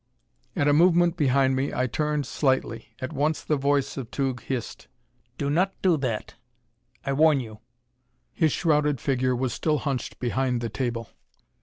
At a movement behind me I turned slightly. At once the voice of Tugh hissed: "Do not do that! I warn you!" His shrouded figure was still hunched behind the table.